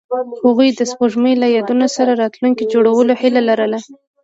هغوی د سپوږمۍ له یادونو سره راتلونکی جوړولو هیله لرله.